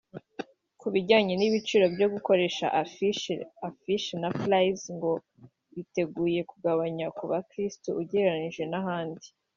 Ku bijyanye n’ibiciro byo gukoresha afishe (affiche) na flies ngo biteguye kugabanya ku bakristo ugereranije n’ahandi